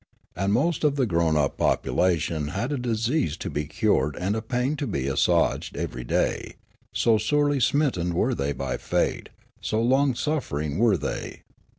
And most of the grown up population had a disease to be cured and a pain to be assuaged every day, so sorely smitten were they by fate, so long suffer ing were they.